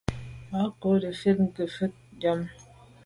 Ngab kô nefèt ngefet yàme.